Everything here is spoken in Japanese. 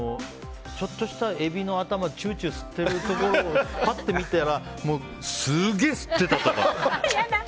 ちょっとしたエビの頭をチューチュー吸ってるところをぱって見たらすげえ吸ってたとか。